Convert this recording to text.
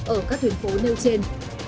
ở các tuyến phố nêu trên